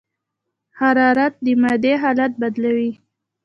حرارت د مادې حالت بدلوي.